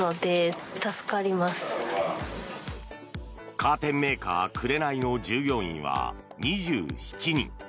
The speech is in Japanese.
カーテンメーカーくれないの従業員は２７人。